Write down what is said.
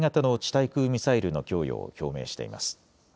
対空ミサイルの供与を表明しています。